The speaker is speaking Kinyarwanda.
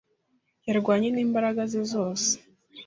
yarwanye n'imbaraga ze zose.